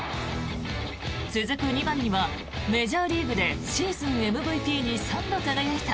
続く２番にはメジャーリーグでシーズンＭＶＰに３度輝いた